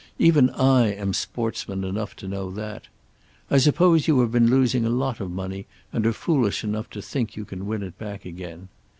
Even I am sportsman enough to know that. I suppose you have been losing a lot of money and are foolish enough to think you can win it back again.